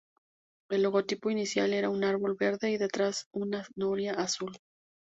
El logotipo inicial era un árbol verde y detrás una noria azul.